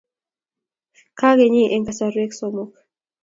Kakenyin eng kasarwek somok